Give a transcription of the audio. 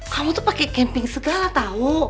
kamu tuh pakai camping segala tau